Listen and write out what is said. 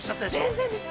◆全然です。